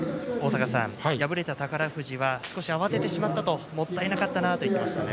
敗れた宝富士は少し慌ててしまったもったいなかったと言っていました。